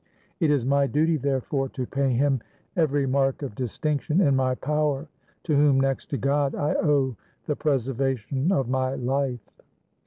It is my duty, therefore, to pay him every mark of distinction in my power, to whom, next to God, I owe the preservation of my life."